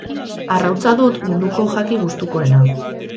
Arrautza dut munduko jaki gustukoena